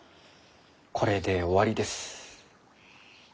これで終わりです。